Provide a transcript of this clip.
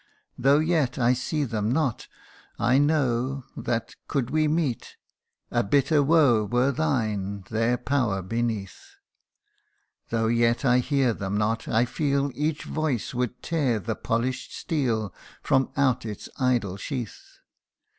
Though yet I see them not, I know That, could we meet, a bitter woe Were thine, their power beneath : Though yet I hear them not, I feel Each voice would tear the polish 'd steel From out its idle sheath.